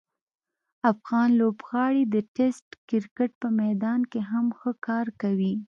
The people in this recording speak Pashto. افغان لوبغاړي د ټسټ کرکټ په میدان کې هم ښه کار کوي.